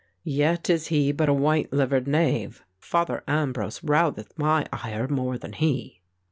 Yet is he but a white livered knave. Father Ambrose rouseth my ire more than he."